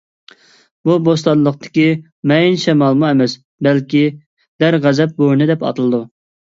بۇ بوستانلىقتىكى مەيىن شامالمۇ ئەمەس. بەلكى «دەرغەزەپ بورىنى» دەپ ئاتىلىدۇ.